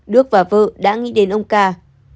đước và vợ đã nghĩ đến ông ca